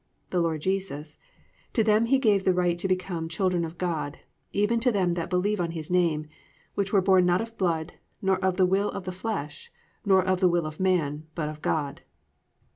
e. the Lord Jesus), +to them gave He the right to become children of God, even to them that believe on His name: which were born not of blood, nor of the will of the flesh, nor of the will of man, but of God."